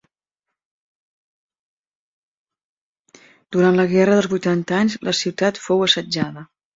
Durant la guerra dels vuitanta anys, la ciutat fou assetjada.